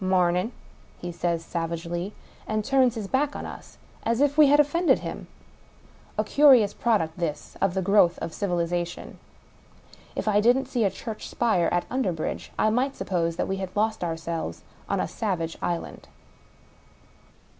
" Mam in !" he says savagely — ^and turns his back on us, as if we had offended him. A curious product, this, of the growth of civilization. If I didn't see a church spire at Under bridge, I might suppose that we had lost ourselves on a savage island.